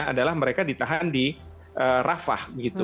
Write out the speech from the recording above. adalah mereka ditahan di rafah